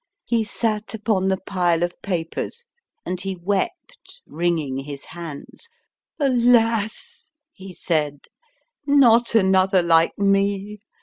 He sat upon the pile of papers, and he wept, wringing his hands. Alas ! he said : Not another like me.